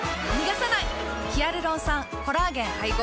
ヒアルロン酸・コラーゲン配合。